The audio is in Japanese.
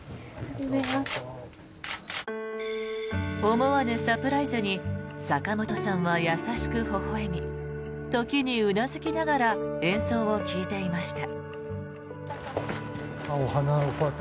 思わぬサプライズに坂本さんは優しくほほ笑み時にうなずきながら演奏を聞いていました。